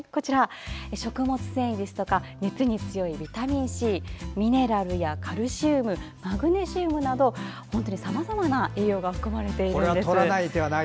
食物繊維や、熱に強いビタミンＣミネラル、カルシウムマグネシウムなど本当にさまざまな栄養が含まれているんです。